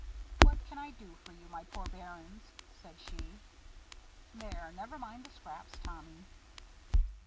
"What can I do for you, my poor bairns?" said she. "There, never mind the scraps, Tommy."